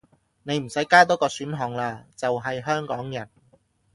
你唔使加多個選項喇，就係香港人